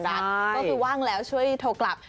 ก็คือว่างแล้วช่วยโทรกลับ